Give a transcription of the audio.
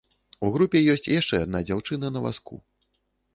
У групе ёсць яшчэ адна дзяўчына на вазку.